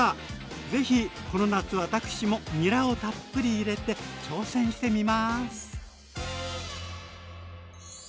ぜひこの夏私もにらをたっぷり入れて挑戦してみます！